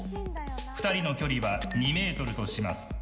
２人の距離は２ｍとします。